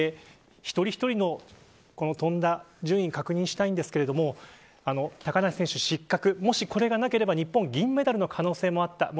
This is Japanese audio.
一人一人の飛んだ順位を確認したいんですけど高梨選手失格、これがなければ日本金メダルの可能性もありました。